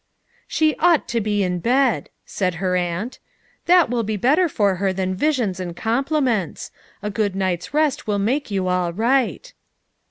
"She ought to be in bed," said her aunt. "That will be better for her than visions and compliments. A good night's rest will make you all right."